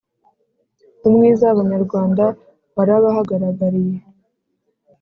umwiza w’abanyarwanda warabahagaragariye